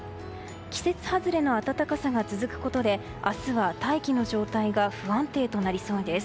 季節外れの暖かさが続くことで明日は大気の状態が不安定となりそうです。